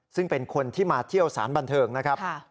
ซึ่งเป็นคนที่มาเที่ยวสารบันเทิงนะครับ